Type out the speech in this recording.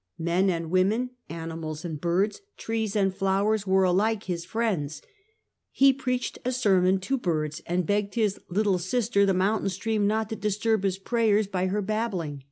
Men and women, animals and birds, trees and flowers, were alike his friends. He preached a sermon to birds, and begged his " little sister," the mountain stream, not to disturb his prayers by her babbling.